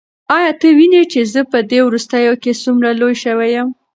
ایا ته وینې چې زه په دې وروستیو کې څومره لوی شوی یم؟